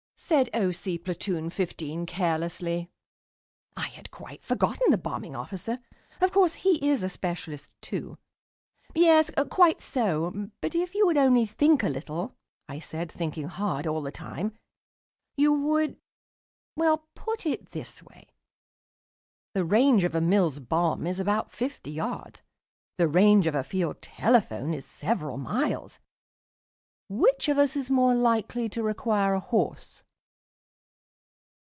said O.C. Platoon 15 carelessly. I had quite forgotten the Bombing Officer. Of course he is a specialist too. "Yes, quite so, but if you would only think a little," I said, thinking hard all the time, "you would well, put it this way. The range of a Mills bomb is about fifty yards; the range of a field telephone is several miles. Which of us is more likely to require a horse?"